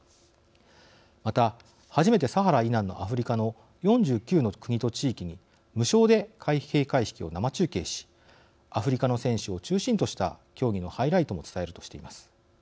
また、初めてサハラ以南のアフリカの４９の国と地域に無償で開閉会式を生中継しアフリカの選手を中心とした競技のハイライトも伝えるとしています。